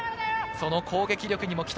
その攻撃力にも期待。